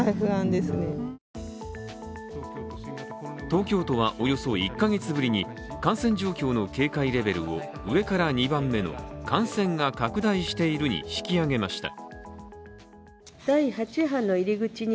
東京都はおよそ１か月ぶりに感染状況の警戒レベルを上から２番目の「感染が拡大している」に引き上げました。